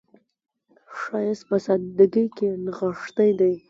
ښایست په سادګۍ کې نغښتی دی